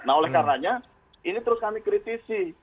nah oleh karenanya ini terus kami kritisi